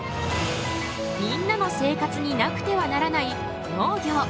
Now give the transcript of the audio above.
みんなの生活になくてはならない農業！